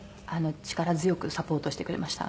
力強くサポートしてくれました。